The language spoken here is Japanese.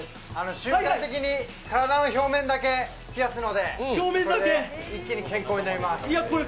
瞬間的に体の表面だけ冷やすので一気に健康になります。